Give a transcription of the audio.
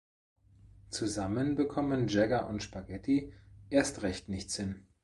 Zusammen bekommen Jagger und Spaghetti erst recht nichts hin.